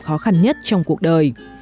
khó khăn nhất trong cuộc đời